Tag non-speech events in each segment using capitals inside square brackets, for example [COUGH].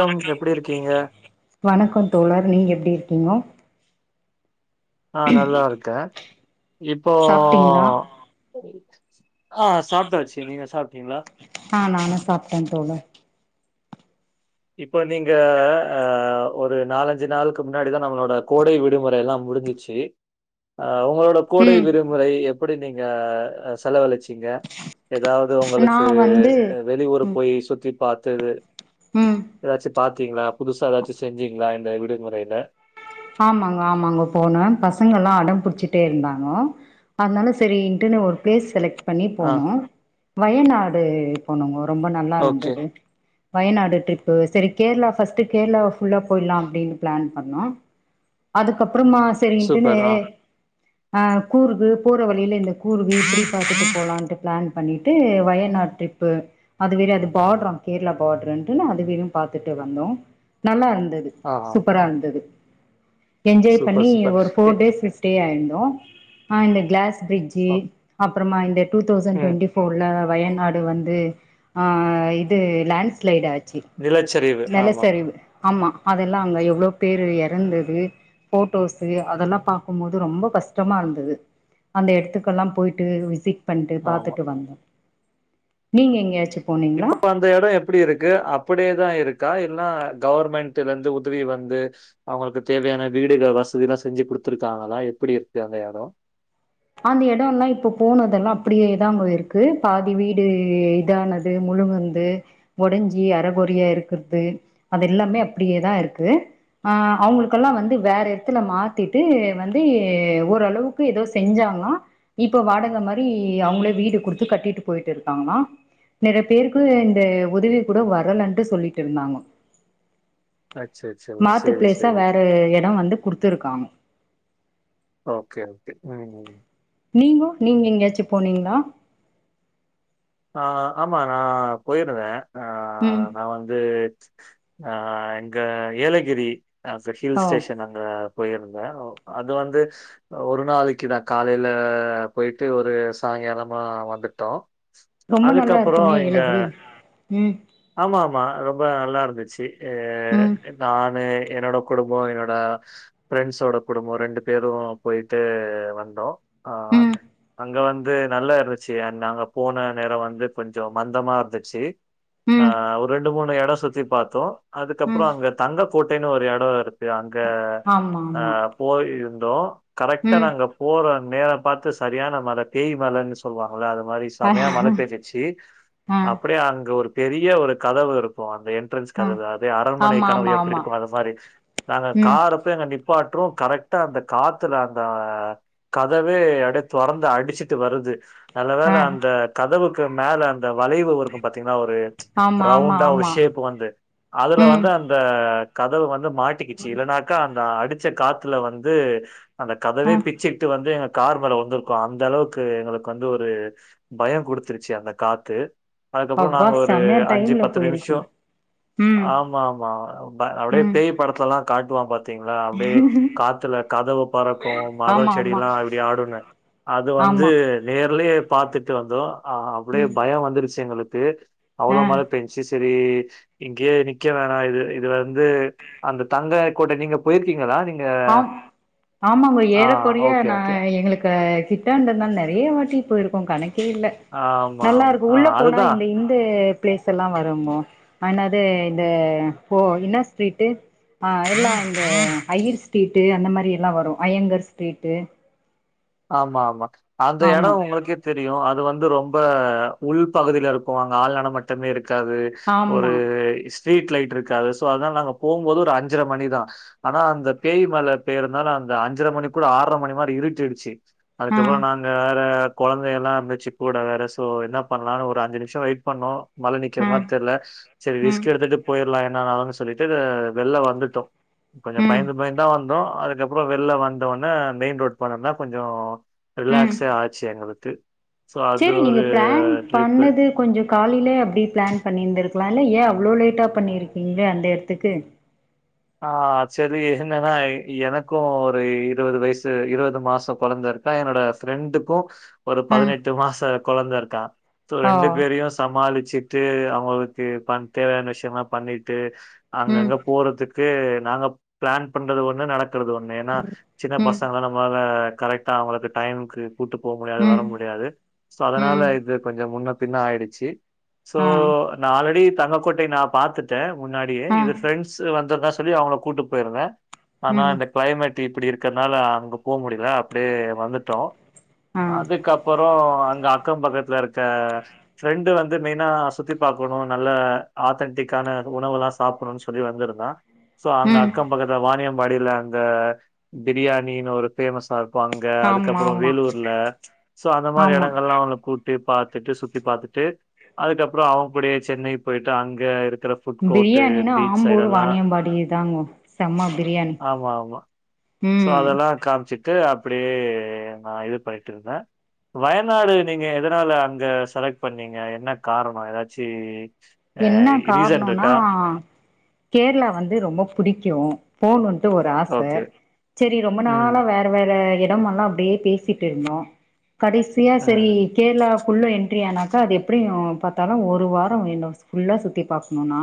வணக்கம். எப்டி இருக்கீங்க? வணக்கம் தோழர் நீங்க எப்டி கிங்கோ ஆஹ் நல்லா இருக்கே இப்போ சாப்ட்டீங்களா ஆஹ் சாப்ட்டாச்சு. நீங்க சாப்ட்டீங்க்ளா? நா சாப்ட்டே தோளர். இப்ப நீங்க அஹ் ஒரு நாலஞ்சி நாளுக்கு முன்னாடி தா நம்மளோட கோடை விடுமுறை எல்லாம் முடிஞ்சிச்சி. ஒங்களோட கோடை ம் விருமுறை எப்டி து நீங்க செலவழிச்சி கீங்க? ஏதாவது நா ஒங்களுக்கு வந்து வெளியூர் ம் போய் சுத்தி பாத் தெது ம் ஏதாச்சி பாத் பாத்தீங்களா? புதுசா ஏதாச்சும் செஞ்சீங்களா இந்த விடுமுறையில? ஆமாங்க ஆமாங்க போணொ பசங்க எல்லாம் அடம் பிடிச்சிட்டே இருந்தாங்க. அதனால செரி இன்ட் ஒரு பிளேஸ் செலக்ட் பண்ணி ஆ போனோம். வயநாடு [UNINTELLIGIBLE] ரொம்ப நல்லா ஓகே இருந்தது. வயநாடு ட்ரிப்பு. செரி கேரளா பஸ்ட் கேரளா ஃபுல்லா போயிடலாம் அப்டின்னு பிளான் பண்ணோம் அதக்கப் அப்றமா சரின்ட்டுன்னு சூப்பர் ஆ அஹ் கூர்க் போற வழில இந்த கூர்க் இப்டி பாத்துட்டு போலான்ட்டு பிளான் பண்ணிட்டு வயநாடு ட்ரிப்பு. அது வேற அது பார்டரா கேரளா பார்டரனட்டு நா அது வெரயும் பாத்துட்டு வந்தோம். நல்லா இருந் ந்தது. ஆ சூப்பரா இருந்தது. என்ஜாய் சூப்பர் பண்ணி சூப்பர் ஒரு போர் டேய்ஸ்க்கு ஸ்டே ஆயிருந்தோ. தோம். ஆஹ் இந்த கிளாஸ் பிரிட்ஜ் அப் அப்றமா இந்த டூ தௌசன் ம் ட்வெண்டி போர்ல வயநாடு வந்து ஆஹ் இது லேண்ட்ஸ்லைட் ஆச் சி. நிலச்சரிவு நில ஆமா சரிவு ஆமா. அதெல்லாம் அங்க எவ்ளோ பேரு எறந்து போட்டோசு அதல்லாம் பாக்கும் போது ரொம்ப கஸ்டமாருந்துது அந்த இட்த்துக்கல்லாம் போயிட்டு விசிட் பண்ட்டு ஆமா பாத்துட்டு வந்தோ நீங்க எங்யாச்சு இப்பபோ அந்த எடம் எப்டி இருக்கு அப்படே தான் இருக்கா ல கவுர்மெண்டுலந்து உதவி வந்து அவங்களுக்கு தேவையான வீடுக வசதிலாம் செஞ்சு குடுத்துருக்காங்களா எப்புடி இருக்கு அந்த எடொம் அந்த எடொல்லாம் இப்போ போனதெல்லாம் அப்டியேதாங்கோ இருக்கு பாதி வீடு இதானது முழுங்குந்து ஒடஞ்சி அறகொறியா இருக்குற்து அதெல்லாமே அப்டியேதான் இருக்கு ஆஹ் அவுங்களுக்கல்லாம் வந்து வேற எத்துல மாத்திட்டு வந்து ஓர்ளவுக்கு ஏதோ செ செஞ்சாங்லான் இப்ப வாடகை மாரி அவுங்ளே வீடு குடுத்து கட்டிட்டு போயிட்டு இருக்காங்லான் நெறைய பேருக்கு இந்த உதவி கூட வரலன்டு சொல்லிட்டு இருந்தாங்கோ அச்சச்சோ! மாத்து சரி, ப்ளேஸா சரி. வேற எடம் வந்து குடுத்துருக் [UNINTELLIGIBLE] ஓகே ஓகே ம் ம் நீங்கோ நீங் எங்யாச்சும் போனீங்ளா ஆஹ் ஆமா நா போயிருந்தே ஆ ம். நா வந்து அஹ் இங்க எலகிரி அச ஹில் ஓ. ஸ்டேஷன் அங்க போயிருந்தேன் அது வந்து ஒரு நாளைக்கு நான் காலைல பொய்ட்டு ஒரு சாங்காலமா வந்துட்டோம் ரொம்ப நல்லா அதுக்கப்புறம் இருக்குமே இங்க எலகிரி ம் ஆமா ஆமா ரொம்ப நல்லாருந்துச்சு ஏ ம் நானு என்னோட குடும்பொம் என்னோட ஃப்ரெண்ட்ஸோட குடும்பொ ரெண்டு பேரும் போயிட்டு வந்தோம் ஆஹ் அங்க வந் து நல்லா இருந்துச்சு அண் நாங்க போன நேரம் வந்து கொஞ்சம் மந்தமா இருந்துச்சு ம் அஹ் ஒர் ரெண்டு மூண் எடம் சுத்தி பாத்தோம் ம் அதுக்கப்றொம் அங்க தங்கக் கோட்டைனு ஒரு எட் [UNINTELLIGIBLE] யஅங்க ஆமா ஆமா அஹ் போய் [UNINTELLIGIBLE] கரெக்ட்டா ம் நாங்க போற நேரத் பாத்து சரியான மல பேய் மலன்னு சொல்வாங் மொத அத மாரி ஆ சமையா மல பேஞ்சுச்சி ஆ அப்டே அங்க ஒரு பெரிய ஒரு கதவு இருக்கு ந்த என்ட்ரன்ஸ் ஆ கதவு அதே அரண்மனை ஆமா கனவு ஆமா எப்டி ஆமா இருக்கும் அத மாரி நாங்க ம் காரப்பொய் எங்க நிப்பாற்றோ கரெக்டா அந்த காத்துல அந்த கதவே அப்டி துறந்து அடிச்சுட்டு வருது நல்ல வேல ஆ அந்த கதவு மேல அந்த வளைவு இருக்கும் பாத்தீங்கன்னா ஒரு ஆமா ஆமா ரவுண்டா ஒரு ஆமா ஷேப் வந்து அதுல ம் வந்து அந்த கதவு வந் து மாட்டிக்கிச்சு இல்ன்னாக்கா அந் ஆ அடிச்ச காத்துல வந்து அந்தக் ஆ கதவே பிச்சுட்டு வந்து எங்க கார் மேல வந்திருக்கும் அந்த அளவுக்கு எங்களுக்கு வந்து ஒரு பயம் கொடுத்துருச்சு அந்த காத்து அதுக்கப்பறோ அப்பா நாங்க ஒ ஒரு செமையா அஞ்சு டைம்ல பத்து நிமிஷோ போயிருக்கீங் ம் ஆமாமா அப்டியே ம் பேய் படத்தலல்லா காட்டுவான் பாத்தீங்ளா அப்டியே காத்துல கதவு பறக்கு மரோ ஆமா ஆமா செடியெல்லா அப்டியே ஆடுனு அது வந்து ஆமா நேர்லயே பாத்துட்டு வந்தோ ஆ அப்டியே பயோ வந்துருச்சு எங்களுக்கு பே அவ்ளோ ஆ மழை பேன்சுச்சு செரி இங்கியே நிக்க வேணா இது இது வந்து அந்த தங்க கோட்டை நீங்க போய்ருக்கீங்களா நீங் ஆம் ஆமாங்க ஏல கொறிய ஓகே, நா ஓகே. எங்களுக்க திட்டாண்டதா நெறைய வாட்டி போயிருக்கோ கணக் கி இல்ல ஆமா. நல்லா ஆமா. இருக்கு அ உள்ள போனா அதுதான். இந்த இந்த ப்ளேஸ் எல்லா வரும்பொ அ இன்னாது இது ஓ இன்ன ஸ்ப்ரீட்டு அ எல்லா இந்த ஐயிர்ஸ் ரீட்டு அந்த மாரி எல்லா வரும் ஐயங்கர் ஸ்ப்ரீட்டு ஆமா ஆமா அந்த எடொ உங்களுக்கே தெரியு அது வந் ந்து ரொம்ப உள்பகுதில இருக்கு அங்க ஆல் நடமாட்டமே இருக் காது ஒரு ஆமா ஸ் ட்ரீட் லைட் இருக்காது சோ அதா நாங்க போம்போது ஒரு அஞ்சர மணி தா அனா அந்த பேய்மழ பேயறனால அந்த அஞ்சர மணி கூட ஆர்ர மணி மாரி இருட்டிடுருச்சு ஆ அதுக்கப்றொ நாங்க வேற கொழந்தை எல்லா இருந்துச்சு கூட வேற சோ என்ன பண்ணலானு ஒரு அஞ்சு நிம்ஷ வெய்ட் பண்ணோ மழ நிக்கிற ஆ மார் தெரில செரி ம் ரிஸ்க் எடுத்துட்டு போயிறலா எ நா நலங்கு சொல்லிட்டு வெள்ல வந்துட்டோ கொஞ்ச ம் பயந்து பய்ந்தா வந் தோ அதுக்கப்பற வெள்ல வந்த ஒன மெயின் ரோட் போனன்னா கொஞ்சோ ம் ரிலாக்சே ஆச்சு எங்களுக் து சேரி நீங்க ப்ளேன் பண்ணது கொஞ்சொ காலைலே அப்டி ப்ளேன் பண்ணிந்துருக் க்லால்ல ஏ அவ்ளோ லேட்டா பண்ணிருக்கீங்ளே அந்த எட்த்துக்கு ஆ செரி என்னன்னா எனக்கு ஒரு இருவது வய்சு இருவது மாச கொழந்த இருக்கா என்னோட ஃப்ரெண்டுக்கு ஒரு பதினெட்டு மாச கொழந்தருக் கா சோ ஆ ரெண்டு ஓ பேருயு சமாளுச்சி து அவுங்களுக்கு பண் தேவையான விஷ்யம்ல்லா பண்ணிட்டு ம் அங்கங்க போறதுக் நாங்க பிளான் பண்றது ஒன்னு நடக் இருக்கிறது ஒண்ணு ஏன்னா சின்ன ம் பசங்க நம்மால கரெக்டா அவங்களுக்கு டைமுக்கு கூட்டு போக முடியாது வர ம் முடியாது அதனால ம் இது கொஞ்சம் முன்ன பின்ன ஆயிடுச்சு சோ ஆ நான் ஆல்ரெடி தக கோட்டை நான் பாாரத்துட்டேன் முன்னாடியே ஆ இது ஃபிரரெண்ட்ஸ் வந்து சொல்லி அவங்கள கூட்டு போயிருந்தே ஆனா ம் இந்த கிளைமேட் இப்படி இருக் இருக்கனால அங்க போக முடியு அப்படியே வந்துட்டோம் ஆ அதுக்கப்புறம் அங்க அக்கம் பக்கத்தில் இருக்க ஃபிரெண்டு் வந்து மெயினா சுத்தி பார்க்கணு நல்ல ஆதன்டிக்கான உணவுெல்லாம் சாப்பிடணும்னு சொல்லி வந்திருந்தான் சோ அங்க ம் அக்கம் பக்கத்து வாானியம்படியில அங்க பிரியாணின்னு ஒரு பேஃபேமஸ் ஆ ங்க ஆமா அதுக்கப்புறம் ஆமா வேலூர்ல சோ அந்த மாரி ஆமா இடங்கள்ல்லாம் அவ கூட் பார்த்து ட்டு சுத்தி பார்த்துட்டு அதுக்கப்பறோ அவங்கூடயே சென்னை போயிட்டு அங்க இருக்கு இருக்கிற ஃபுட் கோர்ட்ட் பீச் சைட எல்லாம் பாடிதாங்க செம்மா பிரியாணி ஆமா ஆமா உம் அப்படியே நான் இது பண்ணிட்டு இருந்தேன் வயநாடு நீங்க எதனால அங்க செலக்ட் பண்ணீங்க என்ன காரணம் ஏதாச்சி என்ன காரணுனா கேரளா வந்து ரொம்ப பிடிக்கும் போன் ஒன் ஒரு ஆச ஓகே. சேரி ரொம்ப ம். நாளா வேற வேற இடமெல்லாம் அப்படியே பேசிட்டு இருந்தோ கடைசியா சேரி ம். கேரளா உள்ள என்ட்ரி ஆனாக்கா அது எப்படி பார்த்தாலும் ஒரு வாரம் வேண் ஃபுல்லா சுத்தி பாக்ணுண்ணா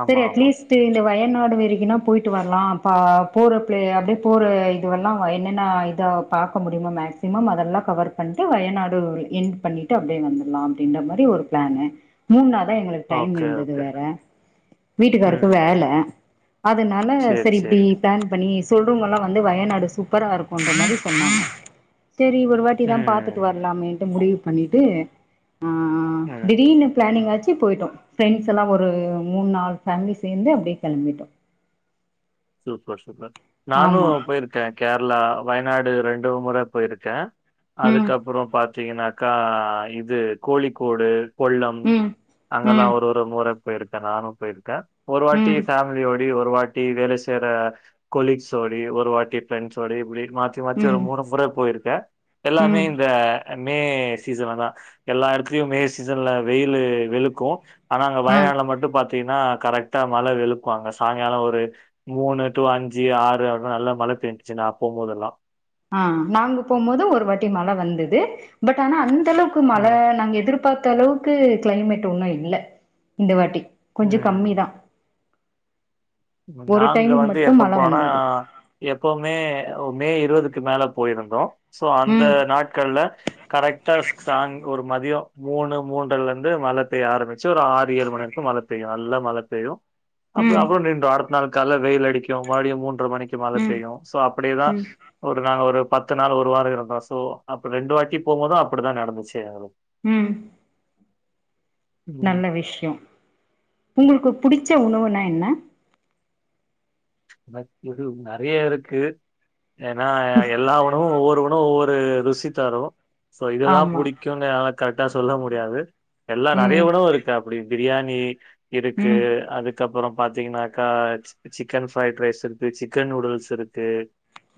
ஆமா, சேரி ஆமா. அட்லீஸ்ட் இந்த வயநாடு வெரைக்குன்னா போயிட்டு வர்லா பா போற ப்லே அப்டே போற இதுவெல்லா என்னென்ன இதா பாக்க முடியுமோ மேக்சிமம் அதெல்லா கவர் பண்ட்டு வயநாடு என்ட் பண்ணிட்டு அப்டே இங்க வந்துல்லா அப்படின்ற மேரி ஒரு பிளான்னு [UNINTELLIGIBLE] தா எங்ளுக்கு டைம் ஓகே, இருந்துது ஓகே. வேற வீட்டுகாருக்கு ம். வேல அதுனால சரி, சேரி இப்டி சரி. பிளான் பண்ணி சொல்றவங்கல்லா வந்து வயநாடு சூப்பரா இருக்குன்ற மாரி சொன்னாங்க சேரி ஒரு வாட்டி தான் பாத்துட்டு ம். வர்லாமேன்ட்டு முடிவு பண்ணிட்டு ஆஹ்ஹ் ம். திடீர்னு நீங் அச்சி போய்ட்டோ ஃப்ரெண்ஸ் எல்லா ஒரு மூண் நால் ஃபேம்லி சேந்து அப்டே களம்பிட்டோ சூப்பர் சூப்பர் நானு போயிர்க்க கேர்ளா வய்நாடு ரெண்டு முற போய்ருக்க ம் அதுக்கப்புறொ பாத்தீங்கனா கா இது கோழிக்கோடு கொள்ளம் ம் அங்கலா ம் ஒரு ஒரு முற பேய்ருக்க நானு பேயிர்க்க ஒரு வாட்டி ம் ஃபேமிலியோடி ஒரு வாட் டி வேல சி தெட கொலீக்ஸ்சோடி ஒரு வாட்டி ஃப்ரெண்ஸ்சோடி இப்டி மாத்தி மாத்தி ஒரு ம் மூணு முற போய்ருக்க எல்லாமே ம் இந்த மே சீசன்ல தா எல்லா எட்த்லியு மே சீசன்ல வெய்லு வெளுக்கு ஆனா அங்க ஆ வயநாட்ல மட்டு பாத்தீங் னா கரக்ட்டா மழ வெளுக்கு அங்க சாங்கால ஒரு மூணு டூ அஞ்சி ஆறு [UNINTELLIGIBLE] நல்ல மழ பேஞ்ச்சி நா போம்போதெல்லா அ அ நாங்கு போம்போது ஒரு வாட்டி மழ வந்துது பட் ஆனா அந் தளவ்க்கு மழ ம் நாங்க எதுர்பாக் தளவுக்கு க்ளைமேட் ஒன்னு இல்ல இந்த வாட்டி கொஞ்ச கம்மி தா நாங்ள வந்து எப்ப மழ போனனா வந்தது எப்பவ்மே மே இருவதுக்கு மேல போய்ருந்தோ சோ அந்த ம் நாட்கள்ல கரக்ட் டாக் சாங் ஒரு மதியோ மூண் றலருந்து மழை பெய்ய ஆரம்பி ச்சு ஒரு ஆறு ஏழு மணிவரைக்கு மழை பெய்யு நல்ல மழை பெய்யு அப்றோ ம் அப்றோ பட் நாளைக் கால்ல வெயில் அடிக்கு மறுபடியு மூன் ற மணிக்கு மேல மழை ம் பெய்யு சோ அப்டிதா ம் ஒரு நாள் ஒரு பத்து நாள் ஒரு வாரோ இருந்தோ ஸோ அப்ப ரெண்டு வாட்டி போம்போது அப்டிதா நடந்துச்சு எங்களுக்கு ம் ம். நல்ல விஷ்யோ உங்களுக்கு பிடிச்ச உணவுனா என்ன எனக்கு இது நெறைய இருக்கு ஏன்னா எல்லா உணவும் ஒவ்வொருணவும் ஒவ்வொரு ஒரு ருசி தரு சோ இதெல்லாம் ஆமா பிடிக்கும்னுனால கரெக்டா சொல்ல முடியாது எல்லாம் நெறைய ம் உணவு இருக்கு அப்படி பிரியாணி இருக்கு ம் அதுக்கப்பறம் பாத்தீங்கன்னாக்கா சிக்கன் ஃப்ரைட் ரைஸ் இருக்கு சிக்கன் நூடுல்ஸ் இருக்கு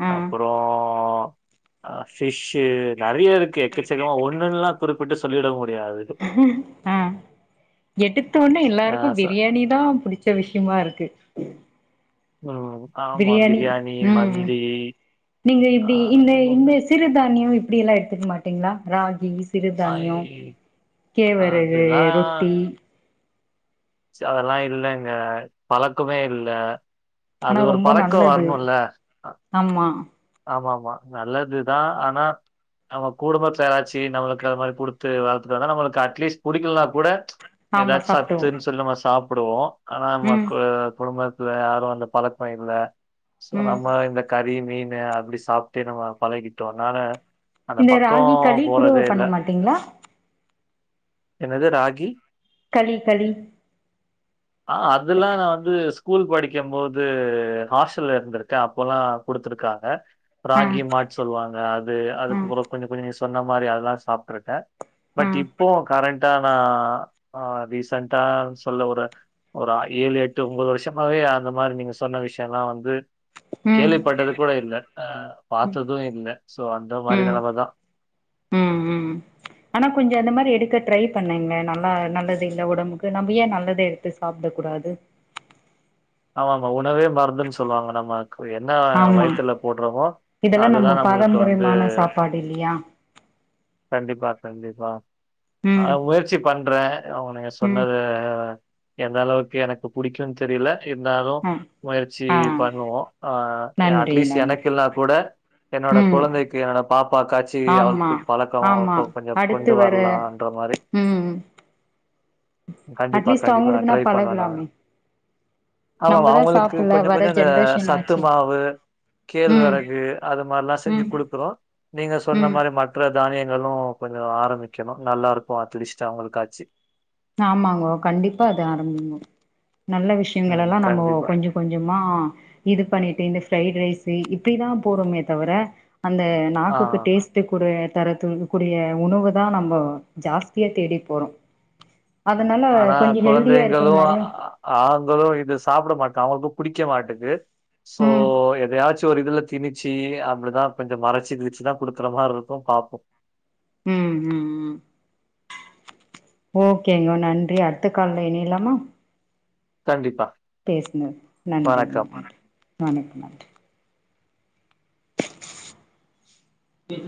ஆ அப்பரோ அஹ் ஃபிஷ் நெறைய இருக்கு எக்கச்சக்கமா ஒண்ணுல்லாம் குறிப்பிட்டு சொல்லிட முடியாது. ஆஹ் எடுத்தவுட்னே அ எல்லாருக்கும் ச பிரியாணி தான் புடிச்ச விஷயமா இருக்கு உம் ஆமா பிரியாணி ம் மந்தி நீங்க அ இப்படி இந்த இந்த இன்னொன்னு. சிறுதானியோ அப்படி எல்லாம் எடுத்துக்க மாட்டீங்களா ராகிஸ் ஐ சிறுதானியோ கேழ்வரகு அதெல்லாம் ரொட்டி அதெல்லாம் இல்லங்க பழக்கமே இல்ல அது ஆனா ஒரு ரொம்ப பழக்கம் நல்லது வரணும்ல்ல ஆமா ஆமா ஆமா நல்லதுதான் ஆனா நம்ம குடும்பத்துலா யாராச்சு நம்மளுக்கு அது மாரி குடுத்து வளத்துன நம்மளுக்கு அட்லீஸ்ட் புடிக்கலனா கூட ஆமா ஏதாச்சு சாப்டுவோ சத்துன் சொல்லு சாப் ப்புடுவோ ஆனா ம் மக்க குடும்பத் த்ல யாரு அந்த பழக்க இல்ல சோ ம் நம்ம இந்த கறி மீன் னு அப்டி சாப்ட்டே நம்ம பழகிட்டோ அத்னால இந்த ராகி களி கூடோ பண்ண மாட்டீங்ளா என்னது ராகி களி களி ஆஹ் அதுலா நா வந்து ஸ் கூல் படிக்கம் போது ஹாஸ்டல்ல இருந்திருக்கே அப்போலா குடுத்துருக்காங்க ஆ ராகி மாட் சொல்லுவாங்க அது ஆ அதுக்கப்பறோ கொஞ்ச கொஞ்ச நீங்க சொ சொன்ன மாரி அதுதா சாப்ட்டுருக்கே ஆ பட் இப்போ கரண்ட் டா நா ஆஹ் ரீசென்டா சொல்ல ஒரு ஒரு ஆ ஏழு எட்டு ஒம்பது வர்ஷமாவே அ அந்த மாரி நீங்க சொன்ன விஷ்யலா வந்து ம் கேள்விப்பட்டது கூட இல்ல அஹ் பாத்தது இல்ல சோ அந்த மாரி ம் நெலமதா க ட்ரை பண்ணுங்க நல்லா நல்லது இல்ல ஒடம்புக்கு நம்ப ஏ நல்லது எடுத்து சாப்ட கூடாது ஆமாம்மா உண் உணவே மருந்துன் சொல்லுவாங்க நம்மக்கு என்ன ஆமா வயித்துல போட்றமோ இதெல்லா அதுதா நம்ம நம்மளுக்கு வந்து பாரம்பரியமான சாப்பாடு இல்லையா கண்டிப்பா கண்டிப் வா அ ம் முயற்சி பண்றே நீங்க ம் சொன்னது எந்த அளவுக்கு எனக்கு புடிக்குன் தெரிய்ல இருந்தாலு ஆ முயற்சி ஆ பண்ணுவோ ஆஹ் எ நன்றி அட்லீஸ்ட் நன்றி எனக்கில்னா கூட என்னோட ம் கொழந்தைக்கு என்னோட பாப்பாக்காச்சு ஆமா அவளுக்கு பழக்க ஆமா கொ கொஞ்ச அடுத்து கொண்டு வர வர்லான்ற மாரி ம் கண்டிப்பா, அட்லீஸ்ட் கண்டிப்பா. அவங்களுக்னா பழகலாமே ஆமம்மா நம்மதா அவ்ங்களுக்கு சாப்புட்ல கொஞ்சோ வர கொஞ்சோ இந்த ஜென்ரேஷன் சத்து ஆச்சு மாவு ம் கேழ்வெறகு அது மார்லா செஞ்சு ம் குடுக்குறோ நீங்க சொன்ன ம் மாரி மற்ற தானியங்களு கொஞ்ச ஆரம்பிக்கணு நல்லா இருக்கு அட்லீஸ்ட் அவங்களுக்காச்சு ஆமாங்கோ கண்டிப்பா இத ஆரம்மிங்கோ நல்ல ம். விஷ்யங்களலா நம்மோ கண்டிப்பா. கொஞ்ச கொஞ்சமா இது பண்ணிட்டு இந்த ஃப்ரைட் ரைஸு இப்டிதா போறோமே தவர அந்த நாக்குக்கு ஆ. டேஸ்ட்டுக்குரு தரத்துன் கூடிய உணவு தா நம்ப ஜாஸ்தியா தேடி போறோ அதனால ஆனா கொஞ்சோ ஹெல்தியா இருக்கிற கொழந்தைங்களு ஆ மாரியு ஆண்ங்களு இது சாப்ட மாட்டா அவ்ங்கக்குப் புடிக்க மாட்டுக்கு சோ ம் எதையாச்சும் ஒரு இதுல திணிச்சி அப்டிதா கொஞ்சம் மறச்சு [UNINTELLIGIBLE] தா குடுக்கற மாரி இருக்கும் பாபோம் உம் உம் உம் ஓகேங்க நன்றி அடுத்த கால்ல இனையலாமா கண்டிப்பா பேசண நன்றி வணக்கம் மா வணக்கு நன்றி